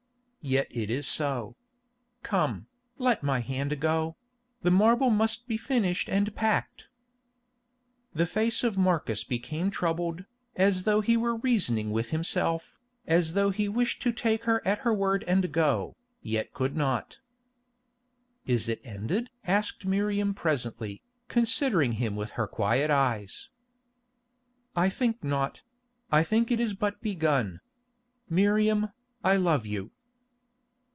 "Yet it is so. Come, let my hand go; the marble must be finished and packed." The face of Marcus became troubled, as though he were reasoning with himself, as though he wished to take her at her word and go, yet could not. "Is it ended?" asked Miriam presently, considering him with her quiet eyes. "I think not; I think it is but begun. Miriam, I love you."